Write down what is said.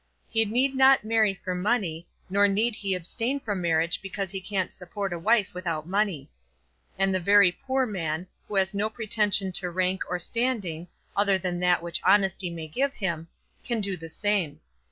He need not marry for money, nor need he abstain from marriage because he can't support a wife without money. And the very poor man, who has no pretension to rank or standing, other than that which honesty may give him, can do the same.